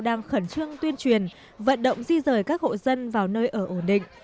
đang khẩn trương tuyên truyền vận động di rời các hộ dân vào nơi ở ổn định